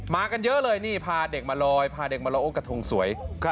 กันเยอะเลยนี่พาเด็กมาลอยพาเด็กมาโลโอกระทงสวย